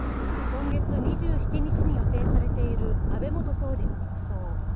今月２７日に予定されている安倍元総理の国葬。